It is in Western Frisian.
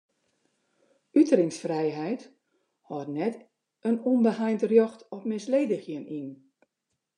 Uteringsfrijheid hâldt net in ûnbeheind rjocht op misledigjen yn.